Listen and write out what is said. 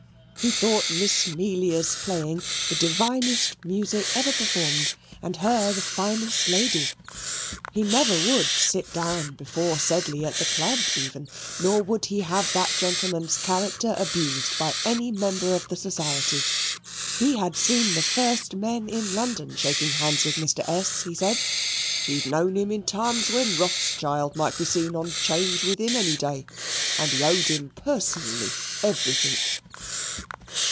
He thought Miss 'Melia's playing the divinest music ever performed, and her the finest lady. He never would sit down before Sedley at the club even, nor would he have that gentleman's character abused by any member of the society. He had seen the first men in London shaking hands with Mr. S ; he said, "He'd known him in times when Rothschild might be seen on 'Change with him any day, and he owed him personally everythink."